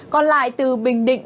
còn lại từ bình định